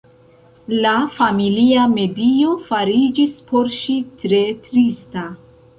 La familia medio fariĝis por ŝi tre trista.